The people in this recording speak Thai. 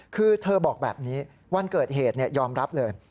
คือเธอบอกแบบนี้วันเกิดเหตุยอมรับเลย